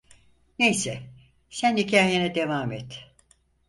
Neyse, sen hikayene devam et.